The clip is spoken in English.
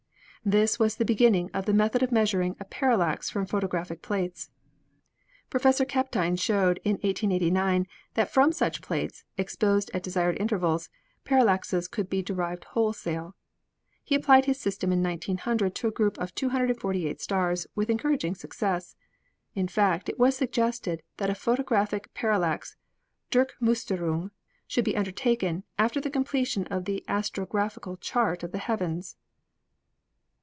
This was the beginning of the method of measuring a parallax from photographic plates. Professor Kapteyn showed in 1889 that from such plates, exposed at desired intervals, parallaxes could be derived wholesale. He applied his system in 1900 to a group of 248 stars with encouraging success. In fact, it was suggested that a photographic parallax "Durchmus terung" should be undertaken after the completion of the astrographical chart of the heavens.